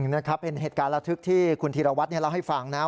นะครับเป็นเหตุการณ์ระทึกที่คุณธีรวัตรเล่าให้ฟังนะครับ